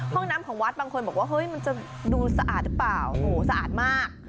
บอกว่าเฮ้ยมันจะดูสะอาดหรือเปล่าโหสะอาดมาก